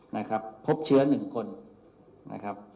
นะครับพบเชื้อ๑คนนะครับ